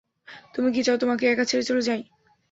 তুমি কি চাও তোমাকে একা ছেড়ে চলে যাই?